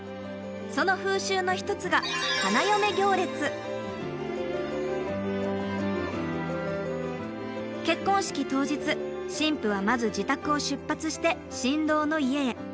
その風習の一つが結婚式当日新婦はまず自宅を出発して新郎の家へ。